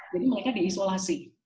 jadi mereka diisolasi